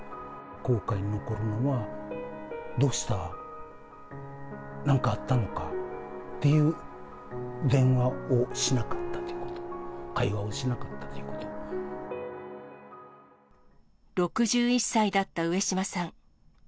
後悔残るのは、どうした、なんかあったのかっていう電話をしなかったということ、会話をし６１歳だった上島さん。